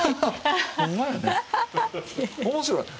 面白いね。